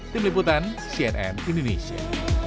tim liputan cnn indonesia